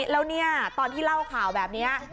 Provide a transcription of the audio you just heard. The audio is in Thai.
แล้วตอนที่เล่าข่าวแบบนี้